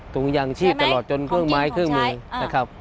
ถุงยางชีพตลอดจนเครื่องไม้เครื่องมือนะครับ